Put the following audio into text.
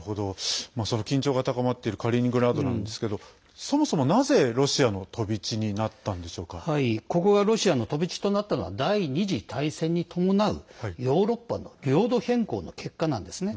その緊張が高まっているカリーニングラードなんですけどそもそも、なぜロシアの飛び地にここがロシアの飛び地となったのは第２次大戦に伴うヨーロッパの領土変更の結果なんですね。